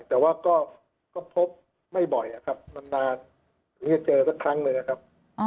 แต่ว่าก็พบไม่บ่อยนะครับนานจะเจอสักครั้งเลยนะครับ